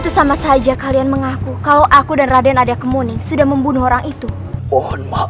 kenapa tiba tiba mereka berada di sini dan membantu kita raden